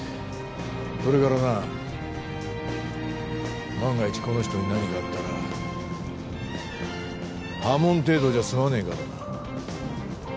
それからな万が一この人に何かあったら破門程度じゃ済まねぇからな。